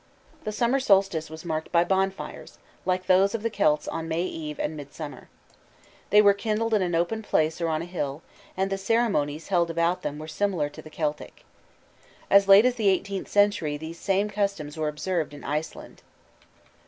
The summer solstice was marked by bonfires, like those of the Celts on May Eve and Midsummer. They were kindled in an open place or on a hill, and the ceremonies held about them were similar to the Celtic. As late as the eighteenth century these same customs were observed in Iceland.